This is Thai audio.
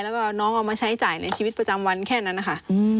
แล้วก็น้องเอามาใช้จ่ายในชีวิตประจำวันแค่นั้นนะคะ